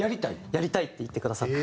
やりたいって言ってくださって。